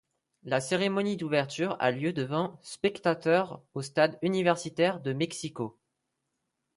La cérémonie d'ouverture a lieu devant spectateurs au Stade universitaire de Mexico.